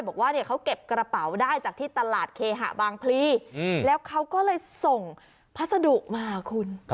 บอกว่าเนี่ยเขาเก็บกระเป๋าได้จากที่ตลาดเคหะบางพลีแล้วเขาก็เลยส่งพัสดุมาคุณ